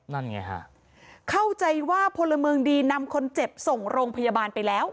นั่นไงฮะเข้าใจว่าพลเมืองดีนำคนเจ็บส่งโรงพยาบาลไปแล้ว